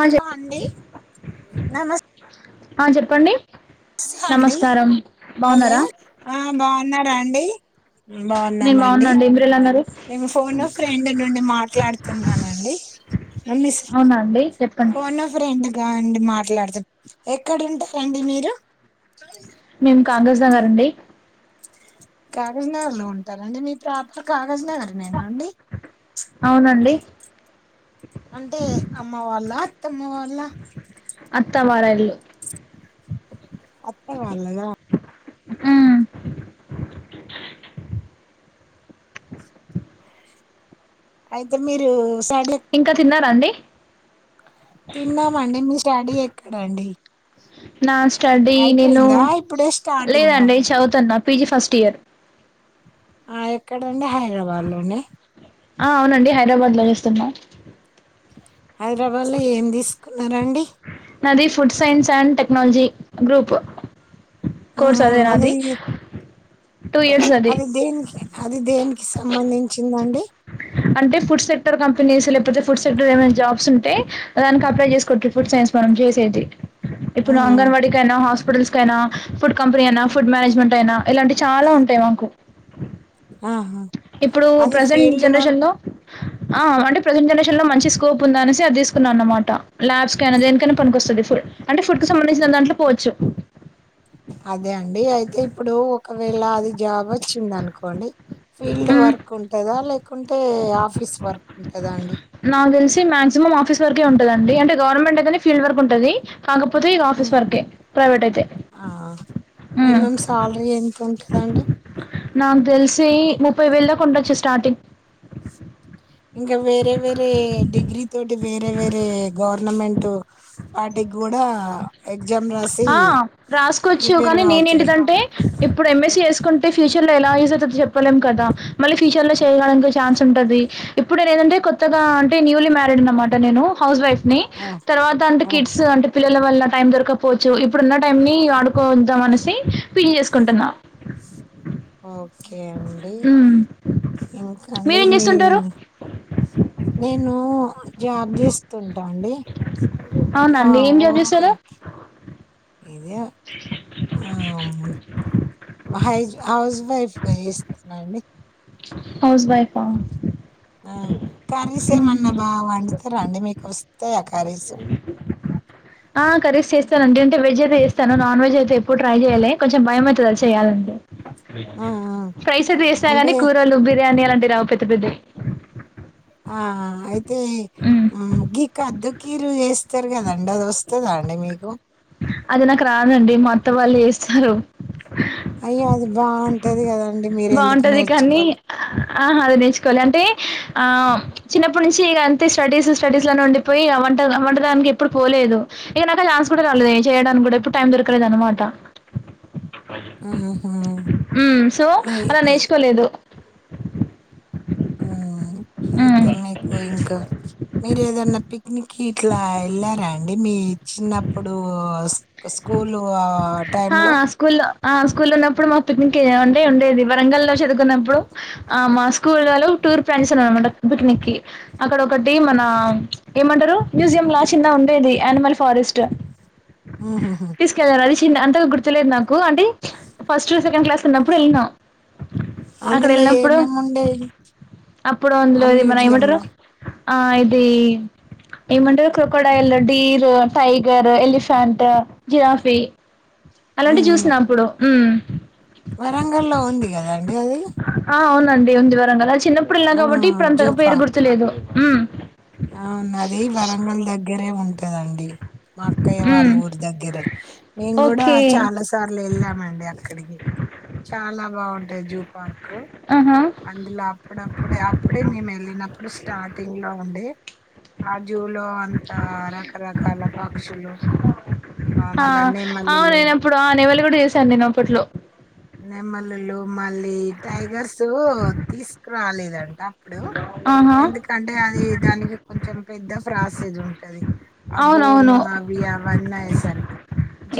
ఆ చెప్ అండి నమస్ ఆ చెప్పండి హాండీ నమస్కారం హలో బాగున్నారా ఆ బాగున్నారా అండి నేను బాగున్నామండి బాగున్నాండి మీరెలా ఉన్నారు మేము ఫోన్ ఫ్రెండ్ నుండి మాట్లాడుతున్నానండి మమ్మీస్ అవునా అండి చెప్పండి ఫోనో ఫ్రెండ్గా అండి మాట్లాడుతాం ఎక్కడుంటారండి మీరు అ కాగజ్నగర్ అండి కాగజ్ నగర్ లో ఉంటారండి మీ ప్రాపర్ కా గజ్ నగరనేనా అండి అవునండి అంటే అమ్మ వాళ్ళ అత్తమ్మ వాళ్ళ అత్తమ్మ వారిల్లు అత్త వాళ్ళదా ఉ అయితే మీరు స్టడీ ఏక్ ఇంకా తిన్నారా అండి తిన్నామండి మీ స్టడీ ఏ క్కడండి నా స్టడీ నేను ఇప్పుడే స్టార్టింగ్ లేదండి చదువుతన్నా పీజీ ఫస్ట్ ఇయర్ ఆ ఎక్కడండి హైదరాబాద్ లోనే ఆ అవునండి హైదరాబాద్ లో చేస్తున్నా హైదరాబాద్ ల ఏం తీసుకున్నరండి నాది food science and technology group course అదేనా అది టూ ఇయర్స్ అది అది దేనికి సంబంధించిందండి అంటే ఫుడ్ సెక్టర్ కంపెనీస్ లేపోతే ఫుడ్ సెక్టర్ ఏమై జాబ్స్ ఉంటే దానికి అప్లై చేసుకోటు ఫుడ్ సైన్ న్స్ మనం చేసేది ఇప్పుడు ఉమ్ అంగన్వాడికైనా హాస్పిటల్స్ కైన ఫుడ్ కంపెనీ అయినా ఫుడ్ మేనేజ్మెంట్ అయినా ఇలాంటి చాలా ఉంటాయి మాకు ఆహా ఇప్పుడు అది ప్రసెంట్ ఫీల్డ్ జనరేషన్ వర్క్ లో ఆ అంటె ప్రజెంట్ జనరేషన్ లో మంచి స్కోప్ ఉంద అనేసి అది తీసుకున్నా అన్నమాట ల్యాబ్స్ కైనా దేనికైనా పనికోస్తది ఫుల్ అంటే ఫుడ్ కు సంబంధించిన దాంట్లో పోవచ్చు అదే అండి అయితే ఇప్పుడు ఒకవేళ అది జాబ్ వచ్చింది అనుకోండి ఫీల్డ్ మ్మ్. వర్క్ ఉంటదా లేకుంటే ఆఫీస్ వర్క్ ఉంట నాకు తెలిసి మాక్సిమం ఆఫీస్ వర్కే ఉంటదండి అంటే గవర్నమెంట్ అయితనే ఫీల్డ్ వర్క్ ఉంటది కాకపోతే ఇగ ఆఫీస్ వర్కే ప్రైవేట్ అయితే ఆ ఉ తిన్కుకాండీ నాకు తెలిసి ముప్పై వేలు దాకా ఉండచ్చు స్టార్టింగ్ ఇంకా వేరే వేరే డిగ్రీ తోటి వేరే వేరే గవర్నమెంట్ వాటి ఆ రాసుకోవచ్చు ప్రిపేర్ కానీ కావచ్చు కదా నేనేంటిదంటే ఇప్పుడు ఎంఎస్ చేసుకుంటే ఫ్యూచర్ లో ఎలా యజ్ అయితదో చెప్పలేం కదా మళ్ళీ ఫ్యూచర్ లో చేయడానికి ఛాన్స్ ఉంటది ఇప్పుడే నేదంటే కొత్తగా అంటే న్యూలీ మ్యారీడ్ అన్నమాట నేను హౌస్ వైఫ్ ని ఓ తర్వాత అంటే ఓ కిడ్స్ అంటే పిల్లల వల్ల టైం దొరకపోవచ్చు ఇప్పుడున్న టైం ని వాడుకోద్దాం అనేసి పిల్ చేసుకుంటున్నా ఓకే అండి మ్మ్ ఇంకాండి మీరేం మీ చేస్తుంటారు నేను జాబ్ చేస్తుంటా అండి అవునా ఆ అండి ఏం జాబ్ ఓకే చేస్తారు ఓకే ఇదే ఆమ్ హై హౌస్ వైఫ్ గా ఇస్తున్నాండి హౌస్ వైఫా ఆ కర్రీస్ ఏమన్నా బావండుతరండి మీకు వస్తాయా ఆ కర్రీసు ఆ కరీస్ చేస్తానండి అంటే వెజ్ అయితే చేస్తాను నాన్ వెజ్ అయితే ఎప్పుడు ట్రై చేయాలే కొంచెం భయమయితది అది చేయాలంటే ఆ ఆ ఫ్రైస్ అయితే చేస్తా కానీ అంటే కూరలు బిర్యానీ అట్లాంటివి రావు పెద్ద పెద్ద ఆ అయితే గి కదుకీరు చేస్తారు కదండి అది వస్తుందా అండి మీకు అది నాకు రాదండి మా అత్త వాళ్ళు చేస్తారు అయ్యో అది బాగుంటది కదా బాగుంటది కానీ ఆహా అది నేర్చుకోలే అంటే ఆ చిన్నప్పటి నుంచి ఇక అంతే స్టడీస్ స్టడీస్ లోనే ఉండిపోయి వంట వంటడానికి ఎప్పుడు పోలేదు ఇక నాకు ఆ ఛాన్స్ కూడా రాలేదు ఏ చేయడానికి కూడా ఎప్పుడు టైం దొరకలేదు అనమాట ఉహుంహు ఉ సో అలా నేర్చుకోలేదు ఉ అంతే మీకు ఇంకా ఉమ్ మీరు ఏదనా పిక్నిక్ ఇట్లా వెళ్ళారా అండి మీ చిన్నప్పుడు స్కూల్ లో టైమ్ ఆ స్కూల్లో ఆ స్కూల్లో ఉన్నప్పుడు మా పిక్నిక్ ఏండే ఉండేది వరంగల్ లో చదువు నప్పుడు ఆ మా స్కూల్లో టూర్ ప్లాన్స్ చేసారనమాట పిక్నిక్ కి అక్కడ ఒకటి మన ఏమంటారు మ్యూ జియంలా చిన్నగుండేది అనిమల్ ఫారెస్ట్ తీసుకెళ్ పిన్ అంతగ గుర్తులేదు నాకు అంటే ఫస్ట్ సెకండ్ క్లాస్ ఉన్నప్పుడు ఎళ్ళినాం అక్కడ అందులో ఎళ్ళినప్పుడు ఏమేమి ఉండేవి అప్పుడు ఆ అందులోది మన మ్యూజియం ఏమంటరు లో ఆ ఇది ఏమంటరు crocodile deer tiger elephant giraffe అలాంటి జూసిన అప్పుడు వరంగల్లో ఉంది గదండి అది అండి ఉంది వరంగల్ అది చిన్నప్పుడు ఎళ్ళం ఆ గాబట్టి ఇప్పుడు జూ అంతగా పేరు పార్క్ గుర్తులేదు అవును అది వరంగల్ దగ్గరే ఉంటదండి మా అక్కయ్య వాళ్ళ హ్మ్ ఊరి దగ్గరే మేము గూడా ఓకే చాలా సార్లు వెళ్ళామండి అ అక్కడికి చాలా బాగుంటయి జూపార్క్ ర్కు ఆహా అందులో అప్పుడప్పుడే అప్పుడే మేము ఎళ్ళినప్పుడు స్టార్టింగ్ లో ఉండే ఆ జూలో అంత రకరకాల పక్షులు ఆ మళ్ళ అవు నెమలులు నేనప్పుడు ఆ నెమళ్ళు గూడా జూశాను నేనప్పట్లో నెమలులు మళ్ళీ టైగర్స్ తీసుకురాలేదం అప్పుడు ఆహా ఎందుకంటే అది దానికి కొంచెం పెద్ద ప్ర్రాసేజ్ ఉంటది ఆబోను అవునవును అవి అవన్నయసరికి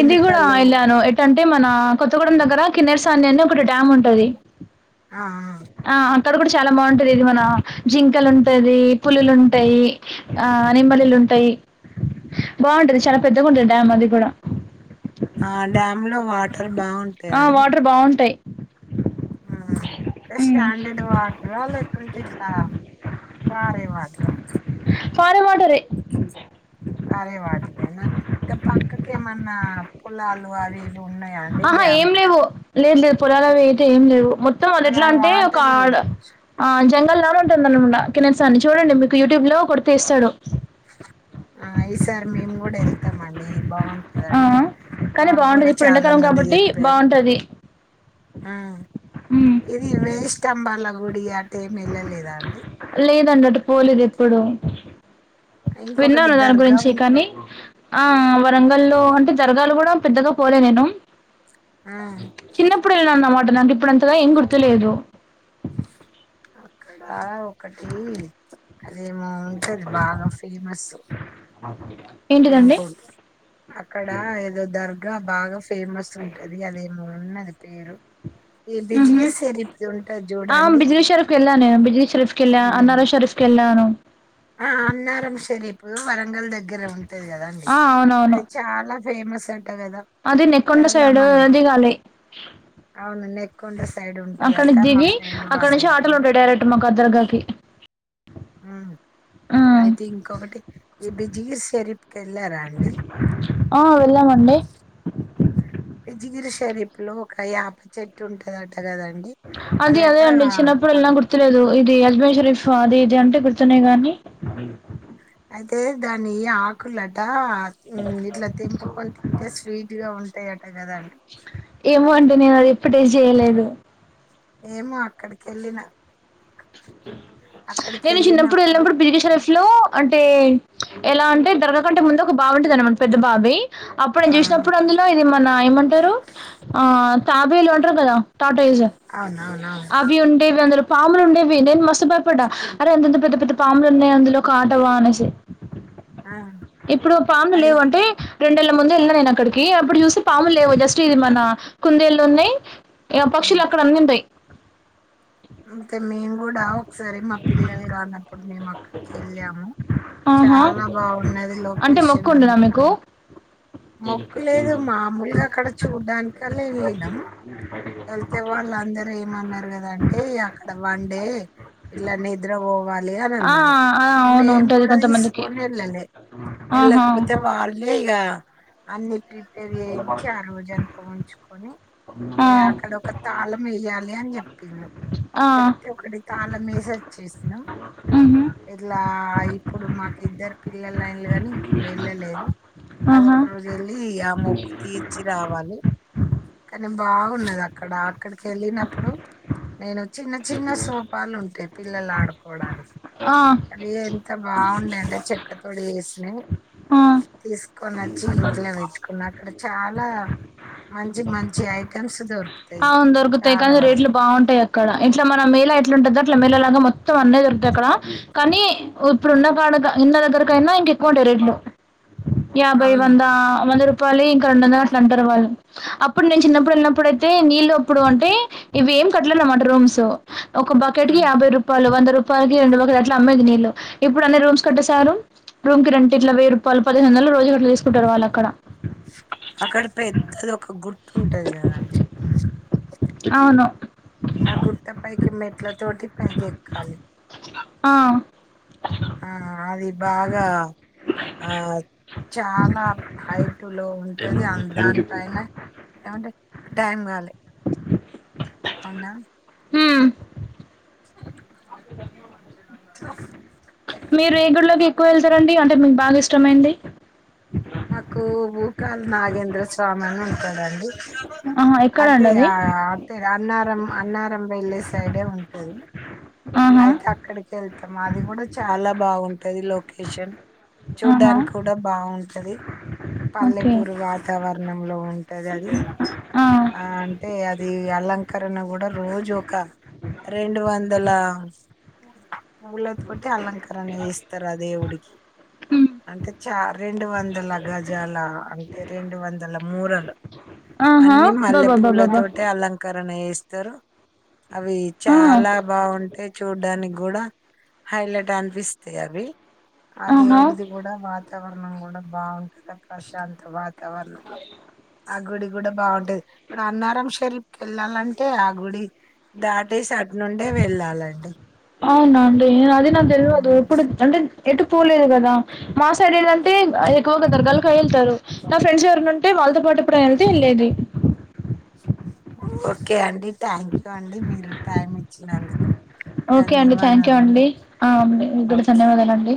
ఇది గూడా ఎళ్ళాను ఎటంటే మన కొత్తగూడెం దగ్గర కిన్నర్ సాన్యని ఒక డ్యామ్ ఉంటది ఆ ఆ ఇక్కడ కూడా చాలా బాగుంటది ఇది మన జింకలు ఉంటంది పులులుంటయి ఆ నెమలిలు ఉంటయి బావుంటది చానా పెద్దగుంటది డ్యామ్ అది గూడా అందులో వాట ఆ వాటర్ బావుంటయి ఆ హ్మ్ స్టాండడ్ వాటర్ ఆ లేక్ కుంటే స పారే వాటరు పారేయ్ మంటది పారే వాటరేనా దాన్ పక్కకేమన్నా పొలాలు అవి ఇవి ఉన్నాయా అండి ఆహా ఏం డ్యామ్కు లేవు లేదు లేదు పొలాల అవి అయితే ఏం లేవు మొత్తం అది మరి ఎట్లా ఆ అంటే ఒక వాటరు ఆడ ఆ జ జంగల్లానే ఉంటుంది అనమట కిిన్నెరసాని చూడండి మీకు యూట్యూబ్ లో కొడితే ఇస్తాడు ఆ ఈసారి మేం గూడా ఎళ్తమండి ఆ బావుంటదంట మా కానీ బాగుంటది గూడా ఇప్పుడు చాలా ఎండాకాలం మంది కాబట్టి జెప్పారు బాగుంటది ఆ ఉమ్. ఇది వేయిస్తంబాల గుడి అటెం ఎళ్లలేదా అండి లేదండి అటు పోలేదు ఎప్పుడూ ఇంకొకటి విన్నాను దాని దర్గా గురించి కాని ఉంటది ఆ వరంగల్లో అంటే వరంగల్ కూడా పెద్దగా పోలే నేను ఆ చిన్నప్పుడు ఎళ్ళన్నమ నాకు ఇప్పుడు అంతగా ఏం గుర్తులేదు అక్కడా ఒకటి అదె ఆ... ఉంటది బాగా ఫేమస్ ఏంటిదండి టెంపుల్ అక్కడాఏదో దర్ గ బాగా ఫేమస్ ఉంటది అదేమో ఉన్నది పేరు ఈ మ్ బిజిగి హుమ్మ్ షరీఫ్ది ఉంటది ఆ... చూడండి బిజలీ షరఫ్ కెళ్ళానేేను బిజలీ షరఫ్ కెళ్ల ఉమ్ అన్నారం షరఫ్ కెళ్ళాను ఆ అన్నారం షరీపు వరంగల్ దగ్గర ఉంటది గదండి ఆ అవునవును అది చాలా ఫేమస్ అం అది నెకొండ సైడు దిగాలి అవును నెక్కొండ సైడ్ అక్కడ ఉంటదట మా దిగి ఫ్రెండ్ అక్కడ వాళ్ళ నుంచి ఆటోలు ఇల్లు ఉంటాయి డైరెక్ట్ మాకద్దర్గాకి మ్ అయితే ఇంకొకటి ఈ బిజిలి షెరిప్ కెళ్ళారా అండి ఆ వెళ్ళామండి బిజిగిరి షరీప్ లో ఒక యాప చెట్టు ఉంటదట టకదండి అది అదే అదటా అండి చిన్నప్పుడు వెళ్ళినా గుర్తులేదు ఇది అజ్మేర్ షరీఫ్ అది ఇది అంటే గుర్తునే గానీ అయితే దాని ఆకులట ఇట్ల తెంపుకొని తింటే స్వీట్ గా ఉంటది దట కదా అండి అండి ఏమో అది ఎప్పుడు టేస్ట్ చేయలేదు ఏమో అక్కడికి ఎళ్ళిన నేను చిన్నప్పుడు వెళ్ళినప్పుడు ఎళ్ళినప్పుడు బిజిలిషరఫ్ లో అంటే ఎలా అంటే దర్గా కంటే ముందు ఒక బావి ఉంటుందనమాట పెద్ద బావి అప్పుడు నేను ఆ చూసినప్పుడు అందులో ఇది మన ఏమంటారు ఆ తాబేలు అంటారు కదా టాజ అవునవునవును అవి ఉండేవి అందులో పాములు ఉండేవి నేను మస్తు భయపడ్డా అరే అంతంత పెద్ద పెద్ద పాములు ఉన్నాయి అందులో కాటవా అనేసి ఆ ఇప్పుడు పాము అదే లేవంటే రెండేళ్ళ ముందు ఎళ్ళిన నేను అక్కడికి అప్పుడు చూస్తే పాములు లేవు జస్ట్ ఇది మన కుందేళ్లు ఉన్నయి యపక్షులు అక్కడ అన్ని ఉంటాయి అందుకని మేము కూడా ఒకసారి మా పిల్లలురాంగనె ఉన్నప్పుడు మేము అక్కడికి వెళ్ళాము ఆహా చాలా బావున్నది అంటే మొక్కు లొకేషన్ ఉండదా అంతా మీకు మొక్కు లేదు మామూలుగా అక్కడ చూడ్డానికల ఎళ్ళినాం వెళ్తే వాళ్ళందరూ ఏమన్నారు కదాఅంటే అక్కడ వన్డె పిల్ల నిద్ర పోవాలే అని ఆ అన్నారు ఆ అవును మేం ఉంటది కూడా కొంతమందికి తీసుకొని వెళ్ళా నె ఆహా ఎల్లక్కపోతే వాళ్ళే ఇగ అన్ని ప్రిపేర్ చేయించి ఆ రోజంతా ఉంచుకొని ఆ అక్కడ ఒక తాళం వేయ్యాలె అని చెప్పింన్రు ఆ చెప్తే ఒకటి తాళం మెసేజ్ చేసినం మ్మ్ ఇట్లా ఆ ఇప్పుడు మాకు ఇద్దరు పిల్లలైన్లు ని ఇంకా వెళ్ళలేరూ ఆహా అధోక రోజు వెళ్ళి ఆ మొక్కు తీర్చి రావాలి కానీ బాగున్నది అక్కడ అక్కడికి వెళ్ళినప్పుడు నేను చిన్న చిన్న సోపాలు ఉంటాయి పిల్లలు ఆడుకోవడానికి ఆ అవి ఎంత బాగుందింటే చెక్క తోడి చేసినయ్ ఆ తీసుకు కొని వచ్చి ఇంట్లో పెట్టుకున్నా అక్కడ చాలా మంచి మంచి ఐటమ్స్ దొరుకు అవును దొరుకుతాయి కానీ రేట్లు బాగుంటాయి అక్కడ ఇట్లా మన మేల అయి ఉంటుది అట్లా మెల్లలాగా మొత్తం అన్న దొరుకుతయి అక్కడ కానీ ఇప్పుడు ఉన్న కాడ ఇండ్ల దగ్గరకయినా ఇంకా ఎక్కుంటాయి రేట్లు యా బై అవును వంద చెలి ఇంకా రెండు వందలు అట్లా అంటారు వాళ్ళు అప్పుడు నేను చిన్నప్పుడు వెళ్ళినప్పుడుతే నీళ్ళు అప్పుడు అంటే ఇవి ఏం కట్టలేన్నమాట రూమ్సు ఒక బకెట్ ఆ కి యాభై రూపాలు వంద రూపాలు రూపాయకి రెండు బకెట్లు అట్ల అమ్మది నీళ్లు ఇప్పుడు అన్ని రూమ్స్ కట్టా సారు రూమ్ కి రెట్ ఇట్లా వెయ్య రూపాయలు పదిహేను వందలు రోజుకి అట్ల తీసుకుంటాడు వాళ్ళ అక్కడ అక్కడ పెద్దది ఒక గుట్ట ఉంటది కదండి అవును పైకి మెట్ల తోటి పైకి ఎక్కాలి. ఆ ఆ అది బాగా ఆ చాలా హైట్ లో ఉంటది అ దానిపైన ఏమంటే టైం కాలే అవునా హ్మ్. మీరు ఏగుడ్లోకి ఎక్కువ వెళ్తారండి అంటే మీకు బాగా ఇష్టమైంది మాకు భూకాళ నాగేంద్ర స్వామి అని ఉంటాదండి ఆహా ఎక్కడండి అటే అది అ అటే అన్నారం అన్నారం వెల్లే సైడే ఉంటది ఆహా అయితే అక్కడికి వెళ్తాము అది కూడా చాలా బాగుంటది లొకేషన్ ఆహా చూడ్డానికి కూడా బాగుంటది ఓకే పల్లెటూరు వాతావరణంలో ఉంటది అది ఆ అంటే అది అలంకరణ కూడా రోజు ఒక రెండు వందలా తోటి అలంకరణ చేస్తారు ఆ దేవుడికి హ్మ్. అంటే చా రెండు వందల గజాల అంటే రెండు వందల మూరలు ఆహా అన్ని మల్లె బాబా పూల బాబా బా తోటి అలంకరణ వేస్త స్తారు అవి ఆ చాలా బాగుంటా అంటే చూడ్డానికి కూడా హైలైట్ అనిపిస్తాయి అవి ఆ ఆహా దేవుడిది కూడా వాతావరణం కూడా బాగుంటది ప్రశాంత వాత వరణంలో ఆ గుడి కూడా బాగుంటది ఇప్పుడు అన్నారం షెరీకి వెళ్ళాలంటే ఆ గుడి దాటేసి అటు నుండే వెళ్ళాలి అవున అండి అది నాకు తెలివదు ఉమ్. ఇప్పుడు అంటే ఎటు పోలేదు కదా మా సైడ్ ఏళ్దంటే ఎక్కువ కతారు దర్గా కే వెళ్తారు నా ఫ్రెండ్స్ ఎవరిన ఉంటే వాళ్లతో పాటు ఎప్పుడైనా వెళ్తే వెళ్లేది ఓకే అండి థ్యాంక్ యూ అండి మీరు టైం ఇచ్చినందుకు ఓకే అండి థ్యాంక్ యూ ధన్యవాదాలండి అండి ఆ మీకు కూడా ఓకే ధన్యవాదాలు అండి